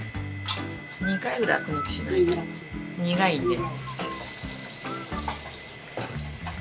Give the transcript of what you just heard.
２回ぐらいアク抜きしないと苦いんで。